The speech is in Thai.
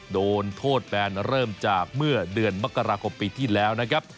โดนโทษแบนเริ่มจากเมื่อเดือนมกราคมปีที่แล้วนะครับ